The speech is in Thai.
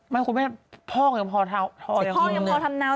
ไม่คุณแม่พ่อกันพอทำนาว